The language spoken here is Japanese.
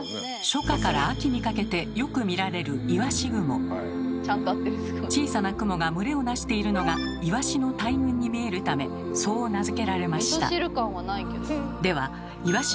初夏から秋にかけてよく見られる小さな雲が群れを成しているのがいわしの大群に見えるためそう名付けられました。